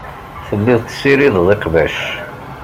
Telliḍ tessirideḍ iqbac.